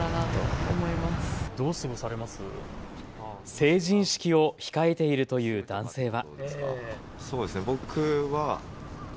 成人式を控えているという男性は。